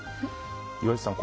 岩淵さん